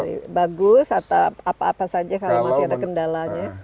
ini bagus atau apa apa saja kalau masih ada kendalanya